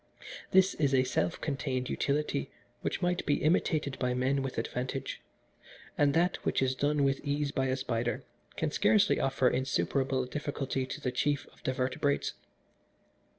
This is a self contained utility which might be imitated by men with advantage, and that which is done with ease by a spider can scarcely offer insuperable difficulty to the chief of the vertebrates.